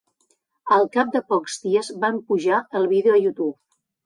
Al cap de pocs dies van pujar el vídeo a YouTube.